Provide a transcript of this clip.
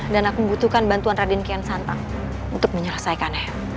dan aku membutuhkan bantuan rade kian santang untuk menyelesaikannya